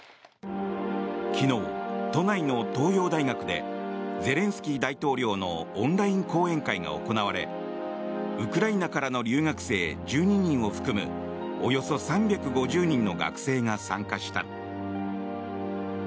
昨日、都内の東洋大学でゼレンスキー大統領のオンライン講演会が行われウクライナからの留学生１２人を含むおよそ３５０人の学生が参加した。